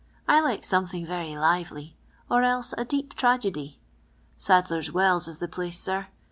I like something very lively, or else a deep tragedy. Sadler's Wells is the place, sir.